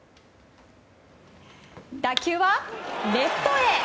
打球はレフトへ！